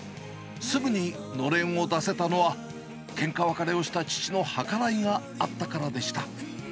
すぐにのれんを出せたのは、けんか別れをした父の計らいがあったからでした。